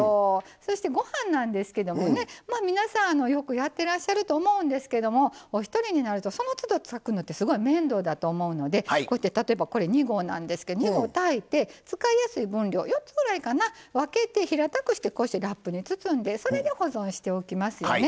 そしてご飯なんですけどもね皆さんよくやってらっしゃると思うんですけどもお一人になるとそのつど炊くのはすごい面倒だと思うのでこうやって例えばこれ２合なんですけど２合炊いて使いやすい分量４つぐらいかな分けて平たくしてこうしてラップに包んでそれで保存しておきますよね。